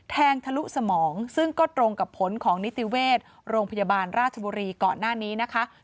ทะลุสมองซึ่งก็ตรงกับผลของนิติเวชโรงพยาบาลราชบุรีก่อนหน้านี้นะคะ